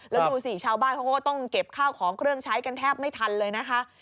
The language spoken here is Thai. แล้วดูสิชาวบ้านเขาก็ต้องเก็บข้าวของเครื่องใช้กันแทบไม่ทันเลยนะคะ